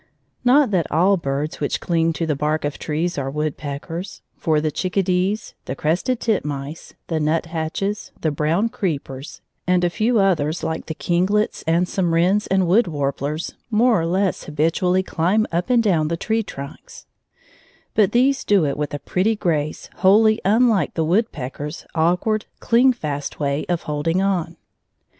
Not that all birds which cling to the bark of trees are woodpeckers, for the chickadees, the crested titmice, the nuthatches, the brown creepers, and a few others like the kinglets and some wrens and wood warblers more or less habitually climb up and down the tree trunks; but these do it with a pretty grace wholly unlike the woodpecker's awkward, cling fast way of holding on.